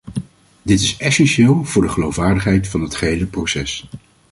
Dit is essentieel voor de geloofwaardigheid van het gehele proces.